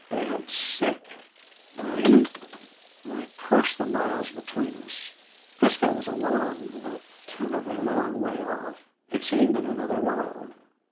Dad sick dying? I cursed the miles between us. Frisco was a long, a terribly long, way off; it seemed in another world.